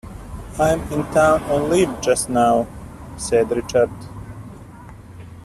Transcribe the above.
"I am in town on leave just now," said Richard.